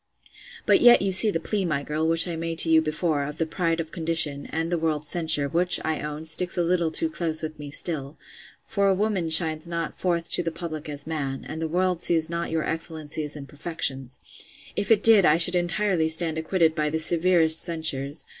But yet you see the plea, my girl, which I made to you before, of the pride of condition, and the world's censure, which, I own, sticks a little too close with me still: for a woman shines not forth to the public as man; and the world sees not your excellencies and perfections: If it did, I should entirely stand acquitted by the severest censures.